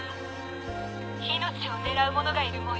命を狙う者がいるもようです。